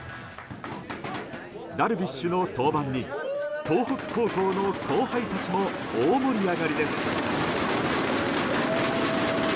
ダルビッシュの登板に東北高校の後輩たちも大盛り上がりです。